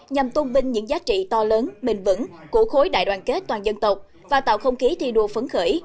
nhằm tung binh những giá trị to lớn bình vẩn của khối đại đoàn kết toàn dân tộc và tạo không khí thi đua phấn khởi